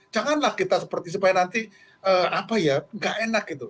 janganlah kita seperti supaya nanti apa ya nggak enak gitu